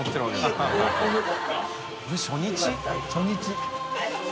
初日。